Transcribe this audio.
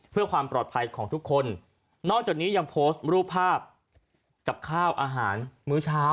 เพื่อความปลอดภัยของทุกคนนอกจากนี้ยังโพสต์รูปภาพกับข้าวอาหารมื้อเช้า